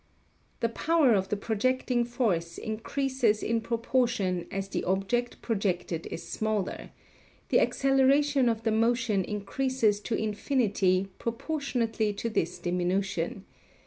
The power of the projecting force increases in proportion as the object projected is smaller; the acceleration of the motion increases to infinity proportionately to this diminution.